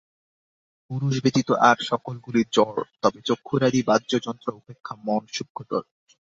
পুরুষ ব্যতীত আর সকলগুলি জড়, তবে চক্ষুরাদি বাহ্য যন্ত্র অপেক্ষা মন সূক্ষ্মতর।